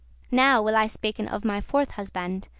Now will I speaken of my fourth husband.